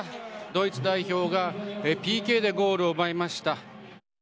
ドイツ代表がＰＫでゴールを奪いました。